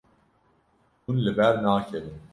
Hûn li ber nakevin.